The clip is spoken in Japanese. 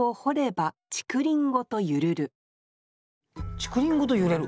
「竹林ごと揺れる」。